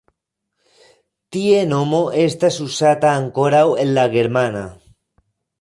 Tie nomo estas uzata ankoraŭ en la germana.